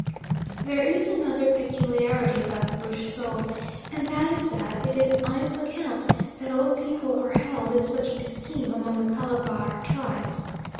There is another peculiarity about the bush soul, and that is that it is on its account that old people are held in such esteem among the Calabar tribes.